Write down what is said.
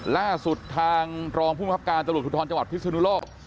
ล่าสุดทางรองภูมิครับการตรวจภูทรจังหวัดพิศนุโลก